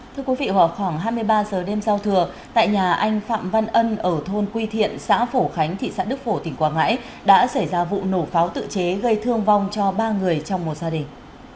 thưa quý vị vào khoảng hai mươi ba giờ đêm giao thừa tại nhà anh phạm văn ân ở thôn quy thiện xã phổ khánh thị xã đức phổ tỉnh quảng ngãi đã xảy ra vụ nổ pháo tự chế gây thương vong cho ba người trong một gia đình